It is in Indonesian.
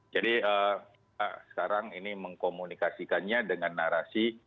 jadi sekarang ini mengkomunikasikannya dengan narasi